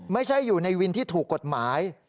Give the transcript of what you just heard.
ไม่ใช่อยู่ในวินที่ถูกกฎหมาย